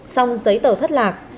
xong giấy tờ thất lạc